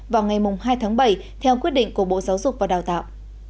vào ngày hai tháng bảy theo quyết định của bộ giáo dục và đào tạo